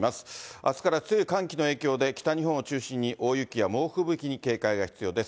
あすから強い寒気の影響で、北日本を中心に大雪や猛吹雪に警戒が必要です。